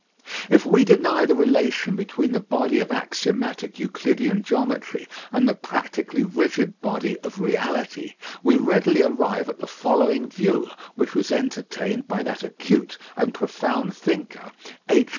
If we deny the relation between the body of axiomatic Euclidean geometry and the practically rigid body of reality, we readily arrive at the following view, which was entertained by that acute and profound thinker, H.